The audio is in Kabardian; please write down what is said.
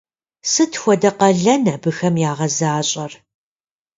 Сыт хуэдэ къалэн абыхэм ягъэзащӏэр?